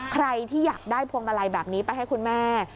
ใครที่อยากได้พวงมาลัยแบบนี้ไปให้คุณแม่